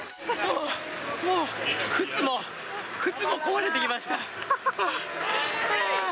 もう、靴も、靴も壊れてきました。